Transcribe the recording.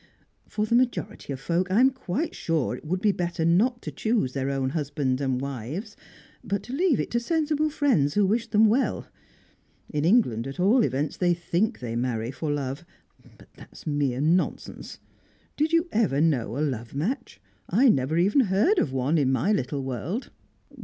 For the majority of folk, I'm quite sure it would be better not to choose their own husbands and wives, but to leave it to sensible friends who wish them well. In England, at all events, they think they marry for love, but that's mere nonsense. Did you ever know a love match? I never even heard of one, in my little world.